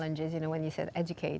penghasilannya lebih mudah